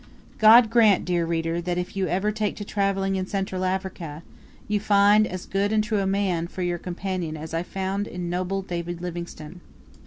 God grant, dear reader, that if ever you take to travelling in Central Africa, you find as good and true a man, for your companion, as I found in noble David Livingstone.